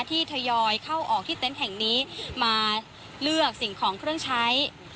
ทยอยเข้าออกที่เต็นต์แห่งนี้มาเลือกสิ่งของเครื่องใช้